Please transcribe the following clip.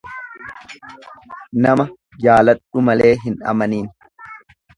Nama jaaladhu malee hin amanin.